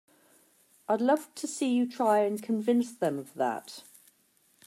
I'd love to see you try and convince them of that!